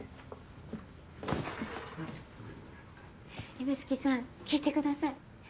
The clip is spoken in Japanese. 指宿さん聞いてください。